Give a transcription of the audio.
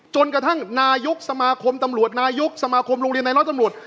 จนกระทั่งนายกสมาคมตำรวจนายกสมาคมโรงเรียนในร้อยตำรวจ